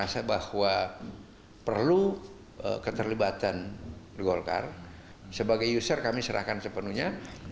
sebagai user kami serahkan sepenuhnya